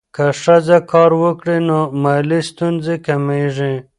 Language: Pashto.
که ښځه کار وکړي، نو مالي ستونزې کمېږي.